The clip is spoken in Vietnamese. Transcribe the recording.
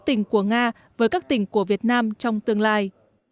tỉnh của nga với các tỉnh của việt nam trong tương lai